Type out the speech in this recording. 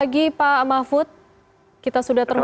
pagi pak mahfud kita sudah terhubung